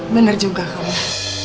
bener juga kamu